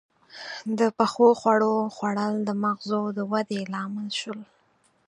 • د پخو خوړو خوړل د مغزو د ودې لامل شول.